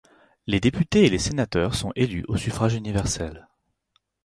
Les députés et les sénateurs sont élus au suffrage universel.